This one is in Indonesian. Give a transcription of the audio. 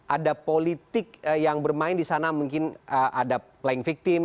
ada politik yang bermain di sana mungkin ada playing victim